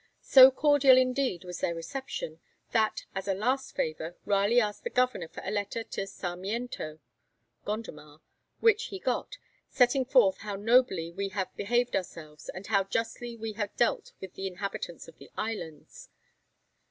So cordial, indeed, was their reception, that, as a last favour, Raleigh asked the Governor for a letter to Sarmiento [Gondomar], which he got, setting forth 'how nobly we had behaved ourselves, and how justly we had dealt with the inhabitants of the islands.'